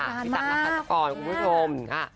พี่ตั๊กรักษากรคุณผู้ชมค่ะ